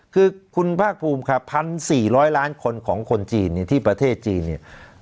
คือคุณพระภูมิค่ะพันสี่ร้อยล้านคนกับคนจีนที่ประเทศจีนเนี้ย